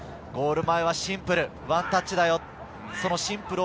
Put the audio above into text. ゴール前はシンプル、ワンタッチだよ。